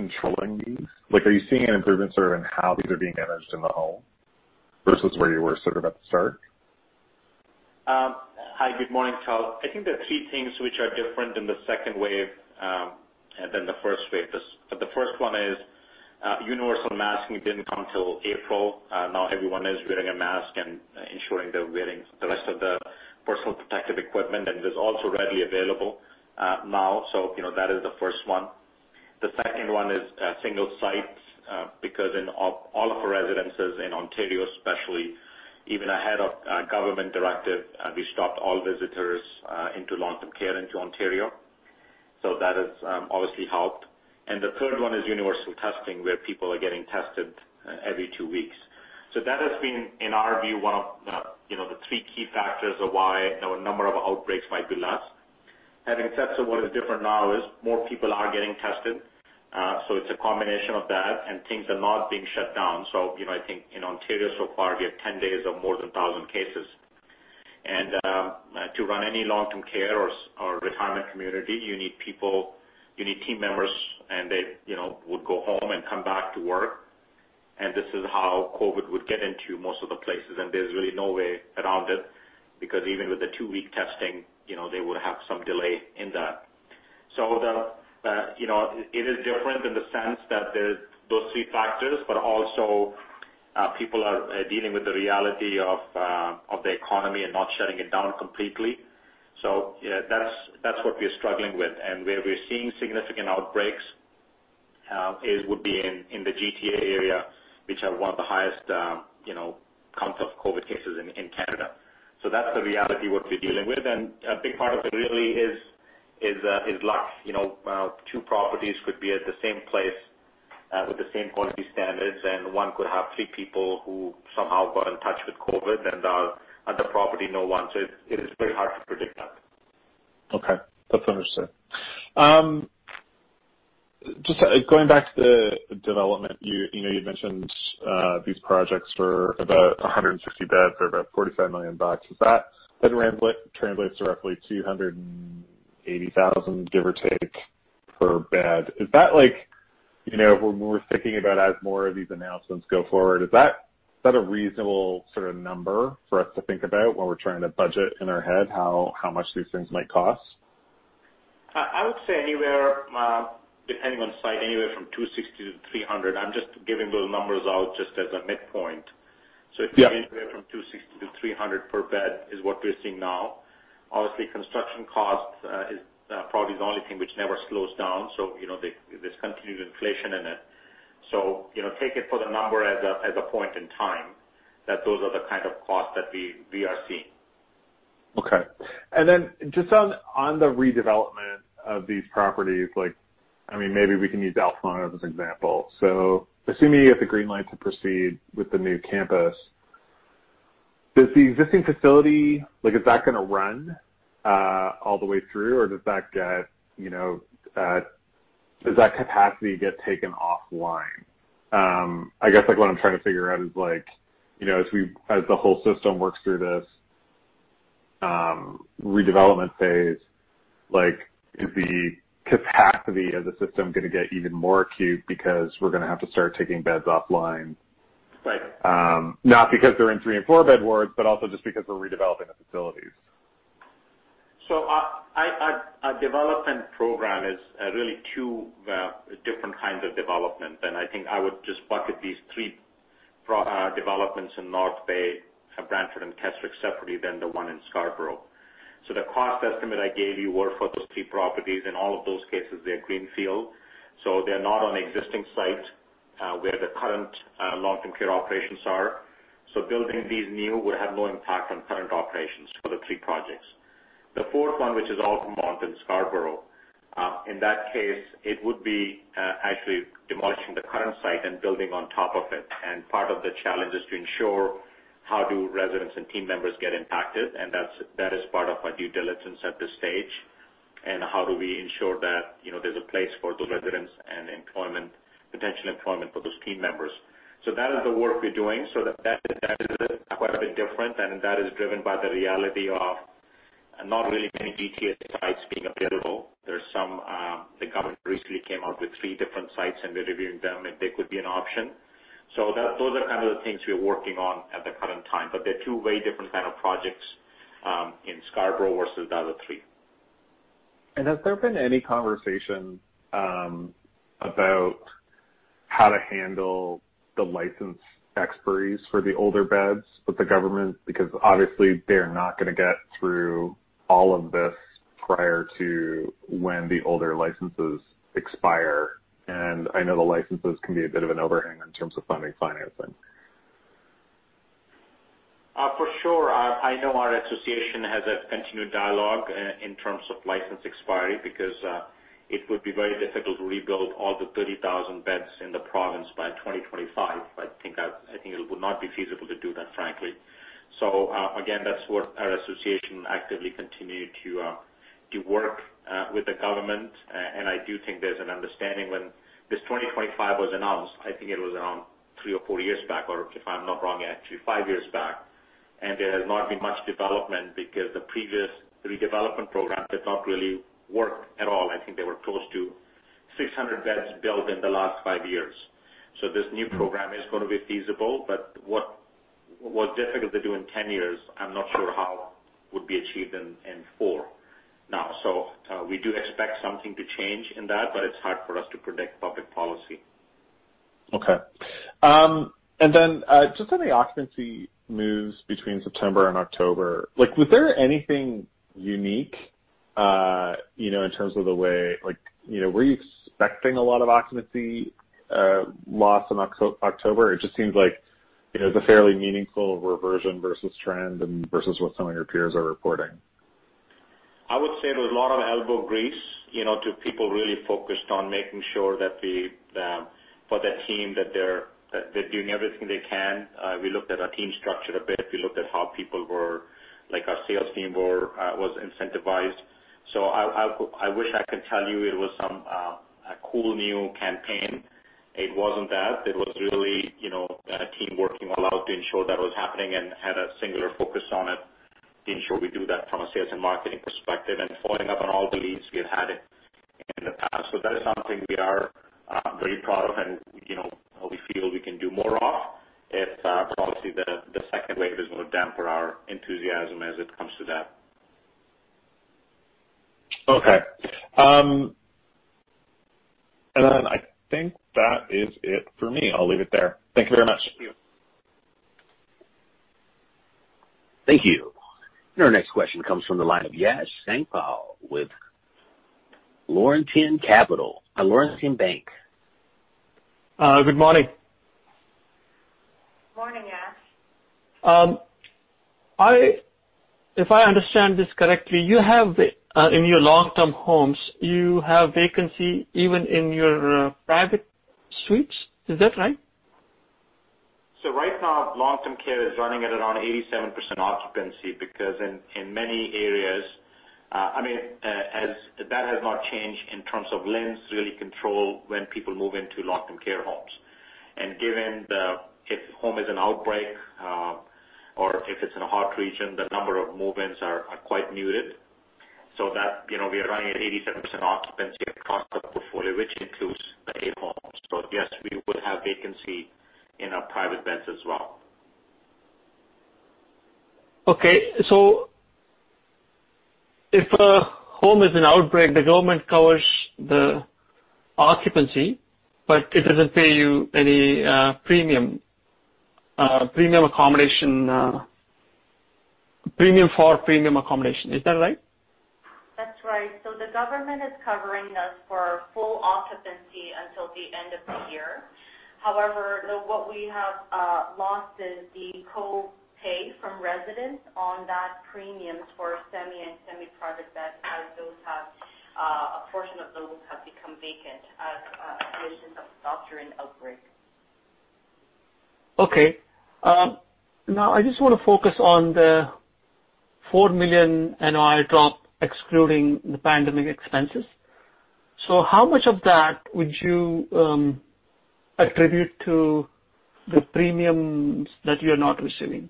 Speaker 8: controlling these? Are you seeing an improvement in how these are being managed in the home versus where you were at the start?
Speaker 2: Hi, good morning, Tal. I think there are three things which are different in the second wave than the first wave. The first one is, universal masking didn't come till April. Now everyone is wearing a mask and ensuring they're wearing the rest of the personal protective equipment, and it is also readily available now. That is the first one. The second one is single sites, because in all of our residences in Ontario, especially even ahead of government directive, we stopped all visitors into long-term care into Ontario. That has obviously helped. The third one is universal testing, where people are getting tested every two weeks. That has been, in our view, one of the three key factors of why the number of outbreaks might be less. Having said so, what is different now is more people are getting tested. It's a combination of that, and things are not being shut down. I think in Ontario so far, we have 10 days of more than 1,000 cases. To run any long-term care or retirement community, you need people, you need team members, and they would go home and come back to work. This is how COVID would get into most of the places, and there's really no way around it, because even with the two-week testing, they would have some delay in that. It is different in the sense that there are those three factors, but also people are dealing with the reality of the economy and not shutting it down completely. That's what we are struggling with. Where we're seeing significant outbreaks would be in the GTA area, which have one of the highest counts of COVID cases in Canada. That's the reality what we're dealing with. A big part of it really is luck. Two properties could be at the same place with the same quality standards, and one could have three people who somehow got in touch with COVID and at the property, no one. It is very hard to predict that.
Speaker 8: Okay. That's understood. Just going back to the development, you'd mentioned these projects for about 160 beds or about 45 million bucks. That translates to roughly 280,000, give or take, per bed. When we're thinking about as more of these announcements go forward, is that a reasonable sort of number for us to think about when we're trying to budget in our head how much these things might cost?
Speaker 2: I would say, depending on site, anywhere from 260 to 300. I'm just giving those numbers out just as a midpoint.
Speaker 8: Yeah.
Speaker 2: It could be anywhere from 260-300 per bed is what we're seeing now. Obviously, construction cost is probably the only thing which never slows down. There's continued inflation in it. Take it for the number as a point in time, that those are the kind of costs that we are seeing.
Speaker 8: Okay. Just on the redevelopment of these properties, maybe we can use Altamont as an example. Assuming you get the green light to proceed with the new campus, does the existing facility, is that going to run all the way through or does that capacity get taken offline? I guess what I am trying to figure out is as the whole system works through this redevelopment phase, is the capacity of the system going to get even more acute because we are going to have to start taking beds offline?
Speaker 2: Right.
Speaker 8: Not because they're in three and four-bed wards, but also just because we're redeveloping the facilities.
Speaker 2: Our development program is really two different kinds of development. I think I would just bucket these three developments in North Bay, Brantford, and Keswick separately than the one in Scarborough. The cost estimate I gave you were for those three properties. In all of those cases, they're greenfield. They're not on existing site, where the current long-term care operations are. Building these new would have no impact on current operations for the three projects. The fourth one, which is Altamont in Scarborough, in that case, it would be actually demolishing the current site and building on top of it. Part of the challenge is to ensure how do residents and team members get impacted. That is part of our due diligence at this stage. How do we ensure that there's a place for those residents and potential employment for those team members. That is the work we're doing, so that is quite a bit different and that is driven by the reality of not really many GTA sites being available. The government recently came out with three different sites, and they're reviewing them, and they could be an option. Those are kind of the things we are working on at the current time. They're two very different kind of projects, in Scarborough versus the other three.
Speaker 8: Has there been any conversation about how to handle the license expiries for the older beds with the government? Obviously they're not going to get through all of this prior to when the older licenses expire. I know the licenses can be a bit of an overhang in terms of funding financing.
Speaker 2: For sure. I know our association has a continued dialogue in terms of license expiry, because it would be very difficult to rebuild all the 30,000 beds in the province by 2025. I think it would not be feasible to do that, frankly. Again, that's where our association actively continued to work with the government, and I do think there's an understanding when this 2025 was announced, I think it was around three or four years back, or if I'm not wrong, actually five years back. There has not been much development because the previous redevelopment program did not really work at all. I think there were close to 600 beds built in the last five years. This new program is going to be feasible, but what was difficult to do in 10 years, I'm not sure how would be achieved in four now. We do expect something to change in that, but it's hard for us to predict public policy.
Speaker 8: Okay. Just on the occupancy moves between September and October is there anything unique, were you expecting a lot of occupancy loss in October? It just seems like, it's a fairly meaningful reversion versus trend and versus what some of your peers are reporting.
Speaker 2: I would say it was a lot of elbow grease, to people really focused on making sure that for the team, that they're doing everything they can. We looked at our team structure a bit. We looked at how people were, like our sales team was incentivized. I wish I could tell you it was a cool new campaign. It wasn't that. It was really the team working all out to ensure that was happening and had a singular focus on it to ensure we do that from a sales and marketing perspective and following up on all the leads we have had in the past. That is something we are very proud of and we feel we can do more of if, probably, the second wave is going to dampen our enthusiasm as it comes to that.
Speaker 8: Okay. I think that is it for me. I'll leave it there. Thank you very much.
Speaker 2: Thank you.
Speaker 1: Thank you. Our next question comes from the line of Yash Sankpal with Laurentian Capital at Laurentian Bank.
Speaker 9: Good morning.
Speaker 3: Morning, Yash.
Speaker 9: If I understand this correctly, in your long-term homes, you have vacancy even in your private suites. Is that right?
Speaker 2: Right now, long-term care is running at around 87% occupancy because in many areas, that has not changed in terms of laws really control when people move into long-term care homes. Given if a home has an outbreak, or if it's in a hot region, the number of move-ins are quite muted. We are running at 87% occupancy across the portfolio, which includes the. Yes, we would have vacancy in our private beds as well.
Speaker 9: If a home has an outbreak, the government covers the occupancy, but it doesn't pay you any premium for premium accommodation. Is that right?
Speaker 3: That's right. The government is covering us for full occupancy until the end of the year. However, what we have lost is the co-pay from residents on that premium for semi and semi-private beds as a portion of those have become vacant as a result of an outbreak.
Speaker 9: Okay. Now, I just want to focus on the 4 million NOI drop excluding the pandemic expenses. How much of that would you attribute to the premiums that you're not receiving?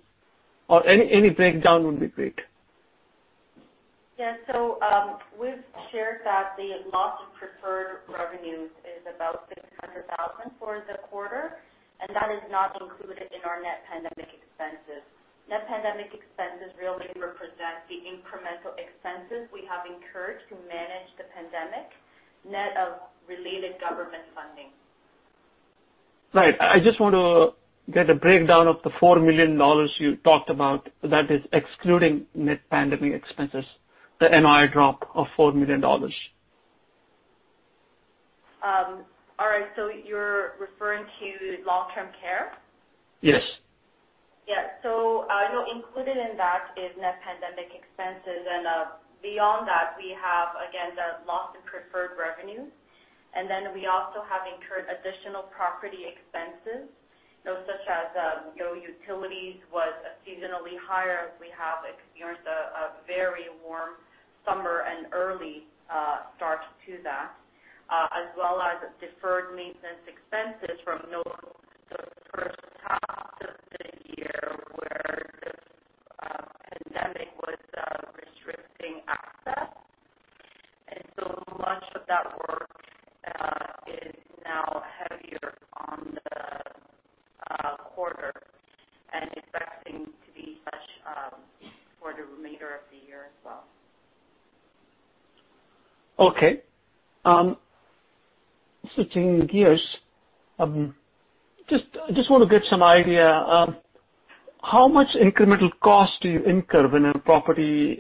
Speaker 9: Any breakdown would be great.
Speaker 3: Yeah. We've shared that the loss of preferred revenues is about 600,000 for the quarter. That is not included in our net pandemic expenses. Net pandemic expenses really represent the incremental expenses we have incurred to manage the pandemic, net of related government funding.
Speaker 9: Right. I just want to get a breakdown of the 4 million dollars you talked about that is excluding net pandemic expenses, the NOI drop of 4 million dollars.
Speaker 3: All right. You're referring to long-term care?
Speaker 9: Yes.
Speaker 3: Included in that is net pandemic expenses, and, beyond that, we have, again, the loss in preferred revenues. We also have incurred additional property expenses, such as utilities was seasonally higher as we have experienced a very warm summer and early start to that. As well as deferred maintenance expenses from the heavier on the quarter and expecting to be such for the remainder of the year as well.
Speaker 9: Switching gears. I just want to get some idea. How much incremental cost do you incur when a property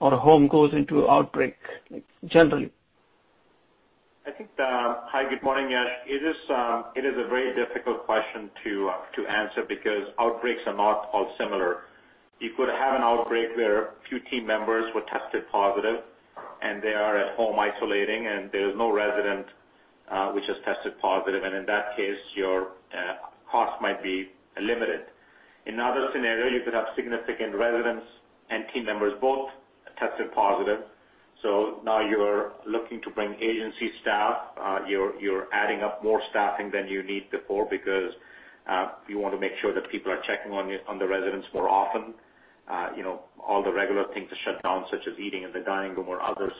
Speaker 9: or a home goes into outbreak, generally?
Speaker 2: Hi, good morning, Yash. It is a very difficult question to answer because outbreaks are not all similar. You could have an outbreak where a few team members were tested positive, and they are at home isolating, and there's no resident which has tested positive. In that case, your costs might be limited. In another scenario, you could have significant residents and team members both tested positive. Now you're looking to bring agency staff. You're adding up more staffing than you need before because you want to make sure that people are checking on the residents more often. All the regular things are shut down, such as eating in the dining room or others.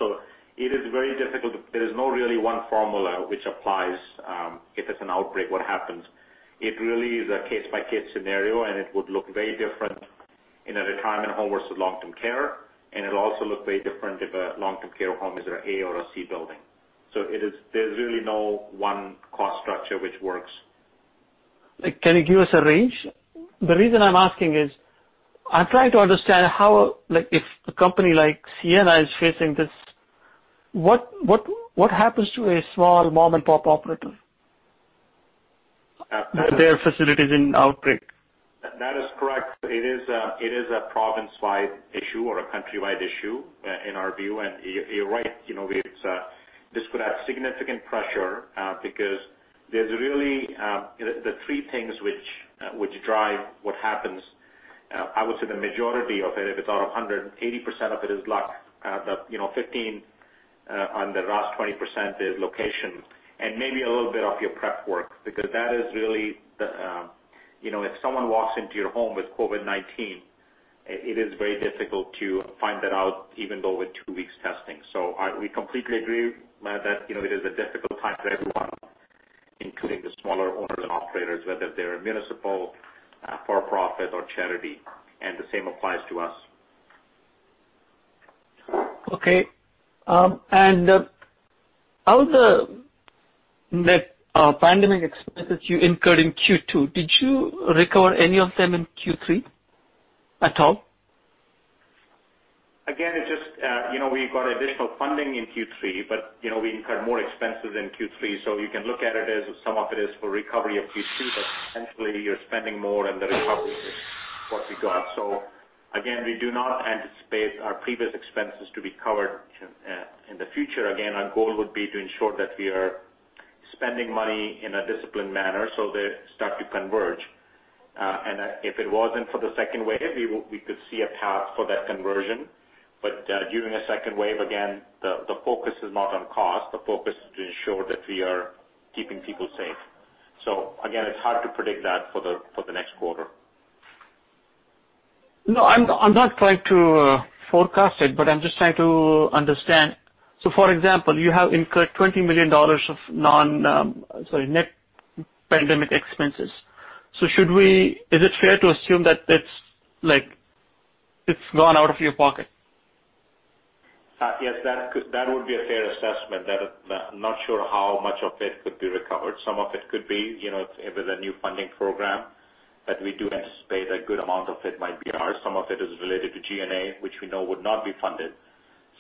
Speaker 2: It is very difficult. There is no really one formula which applies, if it's an outbreak, what happens. It really is a case-by-case scenario, and it would look very different in a retirement home versus long-term care, and it'll also look very different if a long-term care home is an A or a C building. There's really no one cost structure which works.
Speaker 9: Can you give us a range? The reason I'm asking is, I'm trying to understand how, if a company like Sienna is facing this, what happens to a small mom-and-pop operator? Their facility is in outbreak.
Speaker 2: That is correct. It is a province-wide issue or a country-wide issue, in our view. You're right, this could add significant pressure, because there's really the three things which drive what happens. I would say the majority of it, if it's out of 100, 80% of it is luck. The 15 on the last 20% is location. Maybe a little bit of your prep work, because that is really if someone walks into your home with COVID-19, it is very difficult to find that out, even though with two weeks testing. We completely agree that it is a difficult time for everyone, including the smaller owners and operators, whether they're municipal, for-profit, or charity. The same applies to us.
Speaker 9: Okay. All the net pandemic expenses you incurred in Q2, did you recover any of them in Q3, at all?
Speaker 2: Again, we got additional funding in Q3, but we incurred more expenses in Q3. You can look at it as some of it is for recovery of Q3, but essentially you're spending more and the recovery is what we got. Again, we do not anticipate our previous expenses to be covered in the future. Again, our goal would be to ensure that we are spending money in a disciplined manner so they start to converge. If it wasn't for the second wave, we could see a path for that conversion. During the second wave, again, the focus is not on cost. The focus is to ensure that we are keeping people safe. Again, it's hard to predict that for the next quarter.
Speaker 9: No, I'm not trying to forecast it, but I'm just trying to understand. For example, you have incurred 20 million dollars of net pandemic expenses. Is it fair to assume that it's gone out of your pocket?
Speaker 2: Yes, that would be a fair assessment. I'm not sure how much of it could be recovered. Some of it could be, if there's a new funding program, that we do anticipate a good amount of it might be ours. Some of it is related to G&A, which we know would not be funded.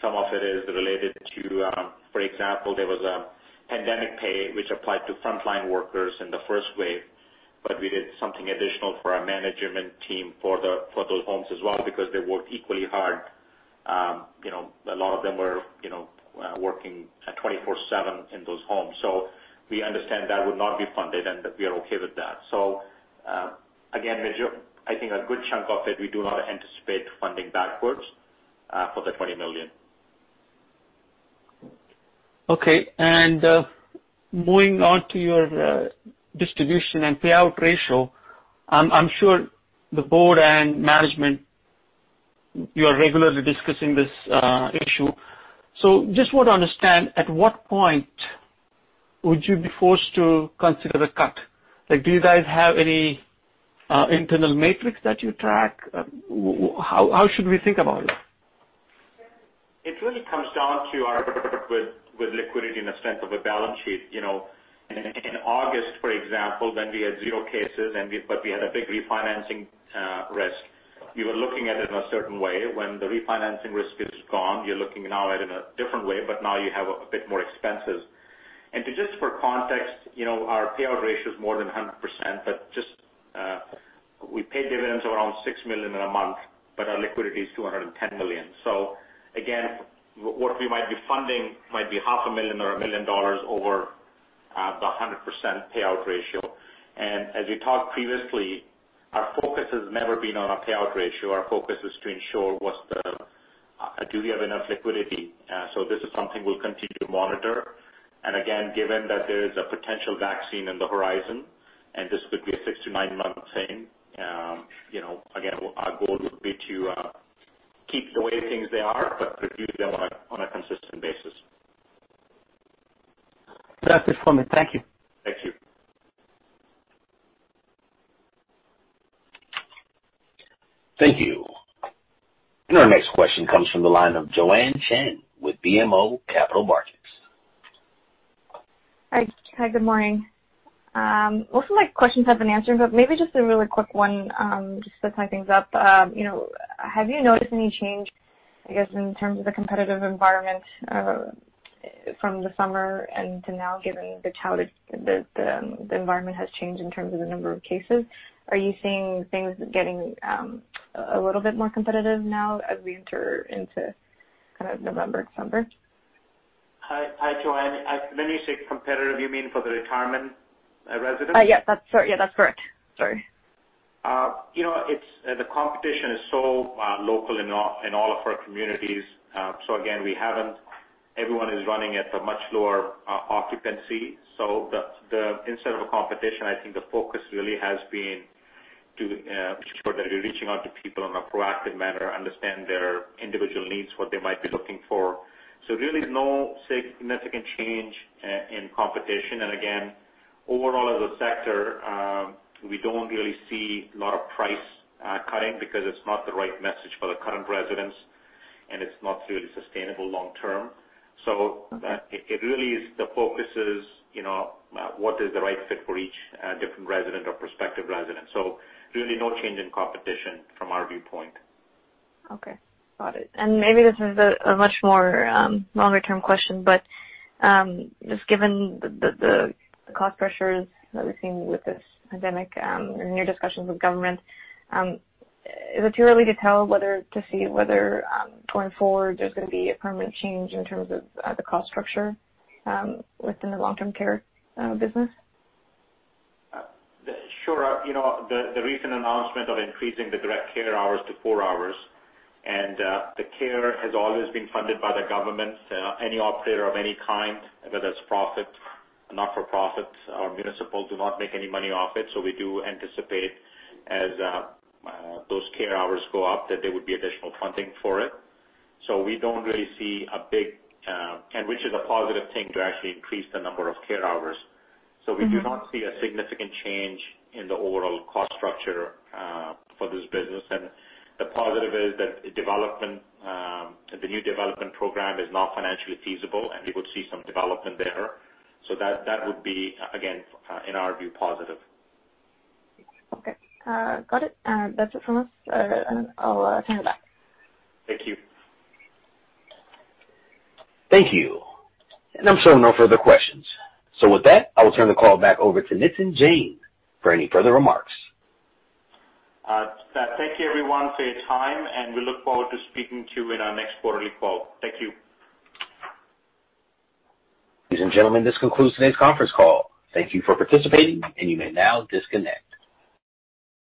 Speaker 2: Some of it is related to, for example, there was a pandemic pay which applied to frontline workers in the first wave, but we did something additional for our management team for those homes as well, because they worked equally hard. A lot of them were working 24/7 in those homes. We understand that would not be funded, and we are okay with that. Again, I think a good chunk of it, we do not anticipate funding backwards for the 20 million.
Speaker 9: Okay. Moving on to your distribution and payout ratio. I'm sure the board and management, you're regularly discussing this issue. Just want to understand, at what point would you be forced to consider a cut? Do you guys have any internal matrix that you track? How should we think about it?
Speaker 2: It really comes down to our comfort with liquidity and the strength of a balance sheet. In August, for example, we had zero cases, but we had a big refinancing risk. We were looking at it in a certain way. When the refinancing risk is gone, you're looking now at it in a different way, but now you have a bit more expenses. To just for context, our payout ratio is more than 100%, but just, we pay dividends around 6 million in a month, but our liquidity is 210 million. Again, what we might be funding might be half a million or 1 million dollars over the 100% payout ratio. As we talked previously, our focus has never been on our payout ratio. Our focus is to ensure, do we have enough liquidity? This is something we'll continue to monitor. Again, given that there is a potential vaccine on the horizon, and this could be a six to nine-month thing, again, our goal would be to keep the way things they are, but review them on a consistent basis.
Speaker 9: That's it for me. Thank you.
Speaker 2: Thank you.
Speaker 1: Thank you. Our next question comes from the line of Joanne Chen with BMO Capital Markets.
Speaker 10: Hi. Good morning. Most of my questions have been answered. Maybe just a really quick one, just to tie things up. Have you noticed any change, I guess, in terms of the competitive environment from the summer and to now, given how the environment has changed in terms of the number of cases? Are you seeing things getting a little bit more competitive now as we enter into November and December?
Speaker 2: Hi, Joanne. When you say competitive, you mean for the retirement residents?
Speaker 10: Yes, that's correct. Sorry.
Speaker 2: The competition is so local in all of our communities. Again, everyone is running at a much lower occupancy. Instead of a competition, I think the focus really has been to make sure that you're reaching out to people in a proactive manner, understand their individual needs, what they might be looking for. Really no significant change in competition. Again, overall as a sector, we don't really see a lot of price cutting because it's not the right message for the current residents, and it's not really sustainable long term. The focus is what is the right fit for each different resident or prospective resident. Really no change in competition from our viewpoint.
Speaker 10: Okay, got it. Maybe this is a much more longer term question, just given the cost pressures that we're seeing with this pandemic and your discussions with government, is it too early to tell whether going forward there's going to be a permanent change in terms of the cost structure within the long-term care business?
Speaker 2: Sure. The recent announcement of increasing the direct care hours to four hours, and the care has always been funded by the government. Any operator of any kind, whether that's profit, not-for-profit, or municipal, do not make any money off it. We do anticipate as those care hours go up, that there would be additional funding for it. Which is a positive thing to actually increase the number of care hours. We do not see a significant change in the overall cost structure for this business. The positive is that the new development program is now financially feasible, and we would see some development there. That would be, again, in our view, positive.
Speaker 10: Okay. Got it. That's it from us, and I'll turn it back.
Speaker 2: Thank you.
Speaker 1: Thank you. I'm showing no further questions. With that, I will turn the call back over to Nitin Jain for any further remarks.
Speaker 2: Thank you, everyone, for your time, and we looqk forward to speaking to you in our next quarterly call. Thank you.
Speaker 1: Ladies and gentlemen, this concludes today's conference call. Thank you for participating, and you may now disconnect.